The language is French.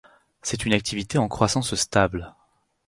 C'est une activité en croissance stable.